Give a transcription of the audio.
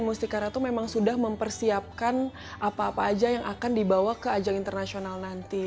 mustika ratu memang sudah mempersiapkan apa apa aja yang akan dibawa ke ajang internasional nanti